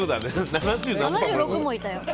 ７６もいたよ。